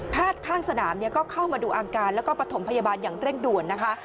ข้างสนามก็เข้ามาดูอาการแล้วก็ประถมพยาบาลอย่างเร่งด่วนนะคะ